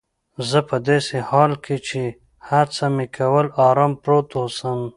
زه په داسې حال کې چي هڅه مې کول آرام پروت اوسم.